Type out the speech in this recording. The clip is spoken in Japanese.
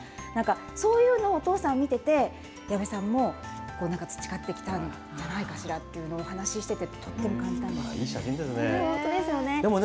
そういうのをお父さん見てて、矢部さんも培ってきたんじゃないかしらというのを、お話ししてて、いい写真ですね。